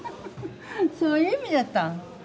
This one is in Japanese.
そういう意味じゃったん？